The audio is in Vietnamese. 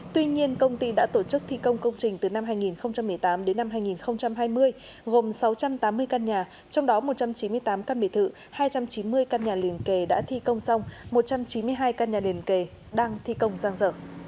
tuy nhiên công ty đã tổ chức thi công công trình từ năm hai nghìn một mươi tám đến năm hai nghìn hai mươi gồm sáu trăm tám mươi căn nhà trong đó một trăm chín mươi tám căn bể thự hai trăm chín mươi căn nhà liền kề đã thi công xong